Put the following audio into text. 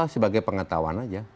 sebagai pengetahuan aja